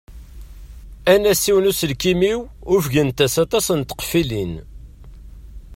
Anasiw n uselkim-iw ufgent-as aṭṭas n tqeffilin.